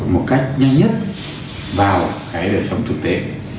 một cách nhanh nhất vào đời tổng thực tế